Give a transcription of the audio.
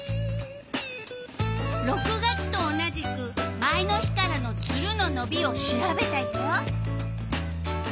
６月と同じく前の日からのツルののびを調べたよ。